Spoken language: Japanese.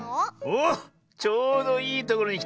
おっちょうどいいところにきた。